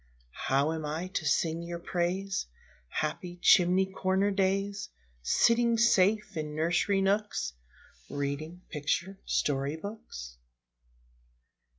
How am I to sing your praise, Happy chimney corner days, Sitting safe in nursery nooks, Reading picture story books?